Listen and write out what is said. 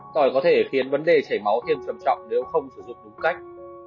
tỏi có thể khiến vấn đề chảy máu thêm trầm trọng nếu không sử dụng đúng cách